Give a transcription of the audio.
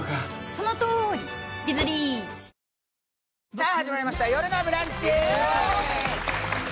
さあ始まりました「よるのブランチ」イエーイ！